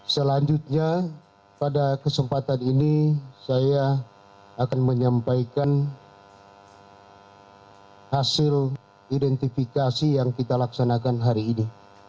selanjutnya pada kesempatan ini saya akan menyampaikan hasil identifikasi yang kita laksanakan hari ini